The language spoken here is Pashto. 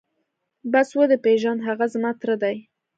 بس ودې پېژاند هغه زما تره دى.